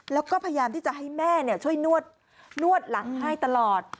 แล้วก็พยายามที่จะให้แม่ช่วยนวดหลังให้ตลอด